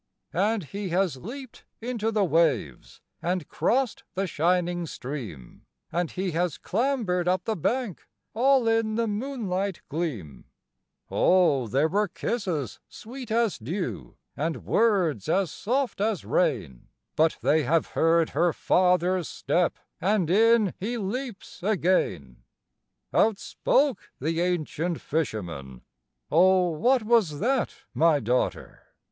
And he has leaped into the waves, and crossed the shining stream, And he has clambered up the bank, all in the moonlight gleam; Oh there were kisses sweet as dew, and words as soft as rain, But they have heard her father's step, and in he leaps again! Out spoke the ancient fisherman, "Oh, what was that, my daughter?"